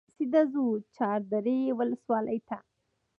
سیده ځو چاردرې ولسوالۍ ته.